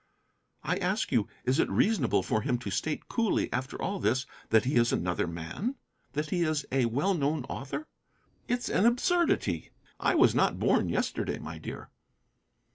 I ask you, is it reasonable for him to state coolly after all this that he is another man? That he is a well known author? It's an absurdity. I was not born yesterday, my dear."